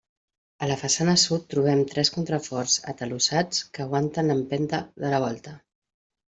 A la façana sud trobem tres contraforts atalussats que aguanten l'empenta de la volta.